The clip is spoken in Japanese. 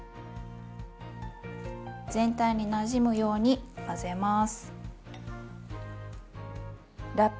全体になじむように混ぜます。